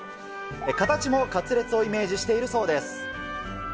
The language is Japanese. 形もカツレツをイメージしているそうです。